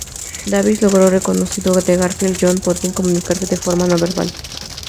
Davis luego reconoció que Garfield y Jon podían "comunicarse de forma no verbal".